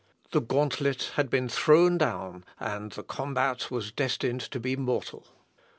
The gauntlet had been thrown down, and the combat was destined to be mortal.